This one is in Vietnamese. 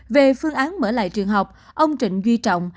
về phương án mở lại trường học ông trịnh duy trọng